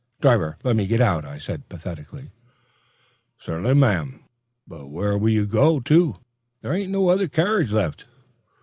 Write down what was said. "Driver, let me get out," I said pathetically. "Certainly, ma'am, but where will you go to? There ain't no other carriage left."